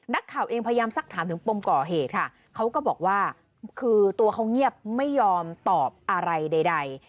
นักข่าวเองพยายามสักถามถึงปมก่อเหตุค่ะเขาก็บอกว่าคือตัวเขาเงียบไม่ยอมตอบอะไรใด